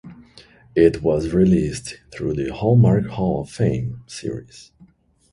It was released through the "Hallmark Hall of Fame" series.